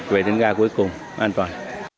về đến ga cuối cùng an toàn